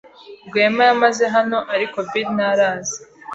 Rwema yamaze hano, ariko Bill ntaraza.